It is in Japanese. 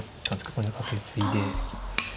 ここにカケツイで。